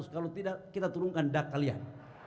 kalau tidak kita turunkan dak kalian